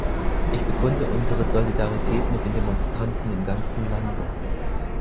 Ich bekunde unsere Solidarität mit den Demonstranten im ganzen Lande.